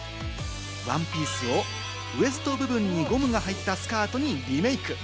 ワンピースをウエスト部分にゴムが入ったスカートにリメーク。